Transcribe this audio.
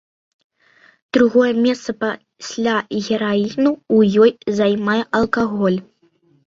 Другое месца пасля гераіну ў ёй займае алкаголь.